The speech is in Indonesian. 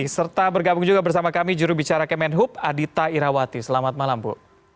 serta bergabung bersama kami juru bicara kemenhub adita irawati selamat malam bu